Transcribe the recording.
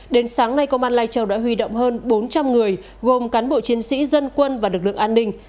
đến sáng nay công an lai châu đã huy động hơn bốn trăm linh người gồm cán bộ chiến sĩ dân quân và lực lượng an ninh